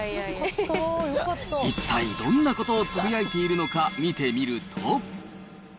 一体どんなことをつぶやいているのか見てみると。